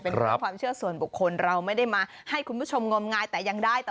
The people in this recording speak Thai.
เป็นเรื่องความเชื่อส่วนบุคคลเราไม่ได้มาให้คุณผู้ชมงมงายแต่ยังได้แต่